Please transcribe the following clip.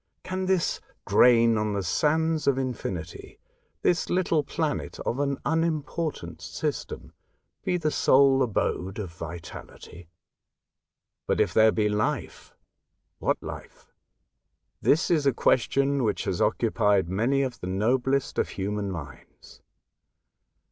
Can this grain on the sands of infinity — this little planet of an unimportant system — be the sole abode of vitality ? But, if there be life, what life ? This is a question which lias occupied many of the noblest of human minds.